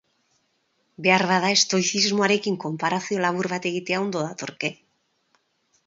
Beharbada estoizismoarekin konparazio labur bat egitea ondo datorke.